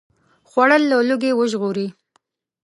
خوړل له لوږې وژغوري